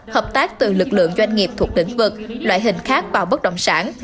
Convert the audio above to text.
hợp tác từ lực lượng doanh nghiệp thuộc lĩnh vực loại hình khác vào bất động sản